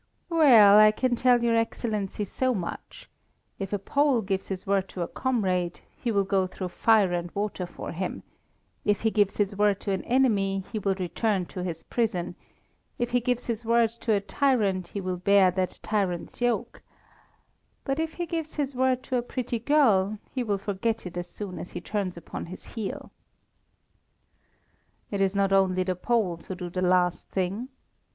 "Well, I can tell your Excellency so much: if a Pole gives his word to a comrade, he will go through fire and water for him; if he gives his word to an enemy, he will return to his prison; if he gives his word to a tyrant, he will bear that tyrant's yoke; but if he gives his word to a pretty girl he will forget it as soon as he turns upon his heel." "It is not only the Poles who do the last thing.